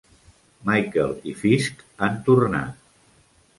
Michael i Fisk han tornat.